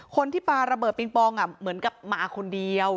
คนที่ปาระเบิดปิงปองเหมือนกับมาคนเดียว